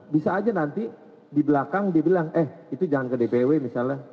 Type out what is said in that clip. bisa aja nanti di belakang dia bilang eh itu jangan ke dpw misalnya